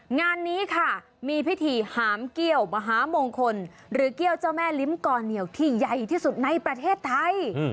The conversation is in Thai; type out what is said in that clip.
งานนี้ค่ะมีพิธีหามเกี้ยวมหามงคลหรือเกี้ยวเจ้าแม่ลิ้มก่อเหนียวที่ใหญ่ที่สุดในประเทศไทย